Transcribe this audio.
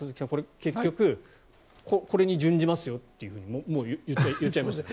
結局これに準じますよと言っちゃいました。